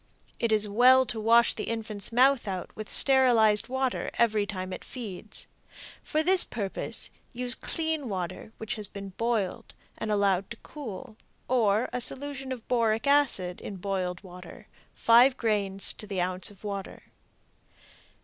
It is well to wash the infant's mouth out with sterilized water every time it feeds. For this purpose use clean water which has been boiled and allowed to cool, or a solution of boric acid in boiled water 5 grains to the ounce of water.